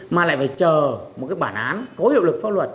mà lại phải chờ một cái bản án có hiệu lực pháp luật